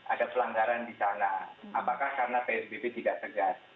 ada pelanggaran di sana apakah karena psbb tidak tegas